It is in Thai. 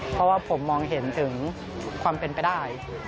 เพราะว่าผมมองเห็นถึงความเป็นไปได้